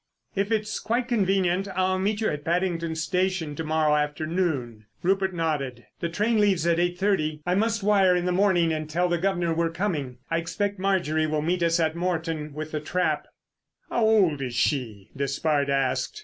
If it's quite convenient I'll meet you at Paddington Station to morrow afternoon." Rupert nodded. "The train leaves at eight thirty. I must wire in the morning and tell the guv'nor we're coming. I expect Marjorie will meet us at Moreton with the trap." "How old is she?" Despard asked.